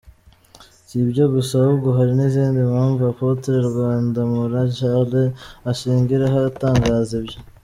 Si ibyo gusa ahubwo hari n’izindi mpamvu Apotre Rwandamura Charles ashingiraho atangaza ibyo.